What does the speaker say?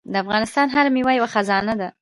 د افغانستان هره میوه یوه خزانه ده.